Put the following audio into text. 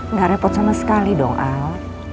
nggak repot sama sekali dong al